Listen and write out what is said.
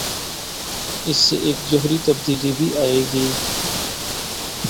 اس سے ایک جوہری تبدیلی بھی آئے گی۔